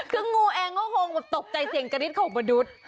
คืองูเองก็คงตกใจเสียงกระดิษฐ์ของประดุษ